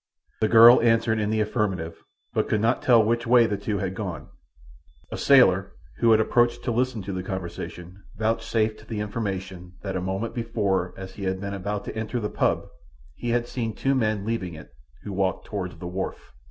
The girl answered in the affirmative, but could not tell which way the two had gone. A sailor who had approached to listen to the conversation vouchsafed the information that a moment before as he had been about to enter the "pub" he had seen two men leaving it who walked toward the wharf.